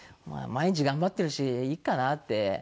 毎日頑張ってるしいいかなって